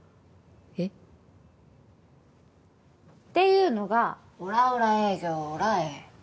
えっ？っていうのがオラオラ営業オラ営。